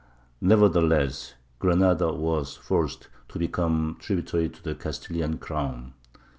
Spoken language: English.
Nevertheless, Granada was forced to become tributary to the Castilian crown.